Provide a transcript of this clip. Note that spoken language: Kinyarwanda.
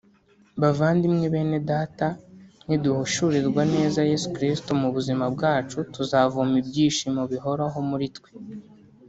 Bavandimwe Bene Data niduhishurirwa neza Yesu Kristo mu buzima bwacu tuzavoma ibyishimo bihoraho muri twe